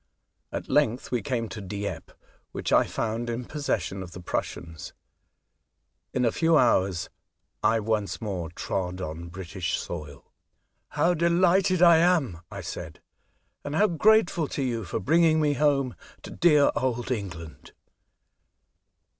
At length we came to Dieppe, which I found in possession of the Prussians. In a few hours I once more trod on British soil. " How delighted I am," I said, '' and how grateful to you for bringing me home to dear old England